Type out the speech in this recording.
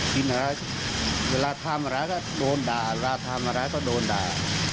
เวลาทำอะไรก็โดนด่าเวลาทำอะไรก็โดนด่า